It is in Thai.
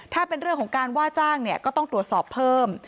ถ้าเป็นเรื่องของการว่าจ้างเนี่ยก็ต้องตรวจสอบเพิ่ม